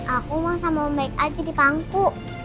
aku mau sama omad aja di pangku